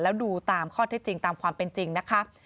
แล้วดูตามข้อเท็จจริงตามความเป็นจริงนะคะ